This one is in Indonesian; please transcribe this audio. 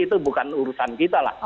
itu bukan urusan kita